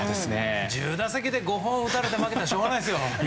１０打席で５本打たれて負けたらしょうがないですよ。